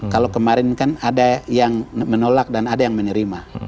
kalau kemarin kan ada yang menolak dan ada yang menerima